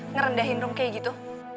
ngerendahin rung kayak gitu